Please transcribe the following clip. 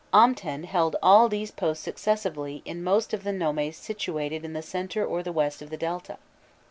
Amten held all these posts successively in most of the nomes situated in the centre or to the west of the Delta.